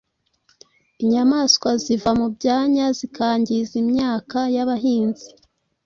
Inyamaswa ziva mu byanya zikangiza imyaka y’abahinzi.